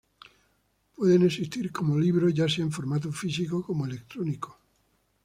Pueden existir como libro ya sea en formato físico como electrónico.